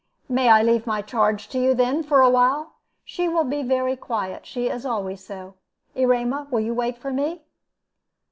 "May I leave my charge to you, then, for a while? She will be very quiet; she is always so. Erema, will you wait for me?"